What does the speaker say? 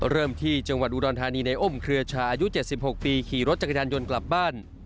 เริ่มที่จังหวัดอุดรธานีในอ้มเครือชายุ๗๖ปีขี่รถจักรยานยนต์กลับบ้าน